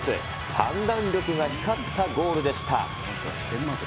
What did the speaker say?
判断力が光ったゴールでした。